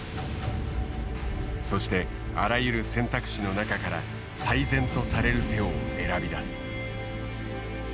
そしてあらゆる選択肢の中から最善とされる手を選び出す。